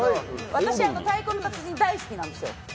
私「太鼓の達人」大好きなんですよ。